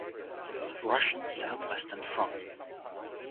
Russian South-Western front.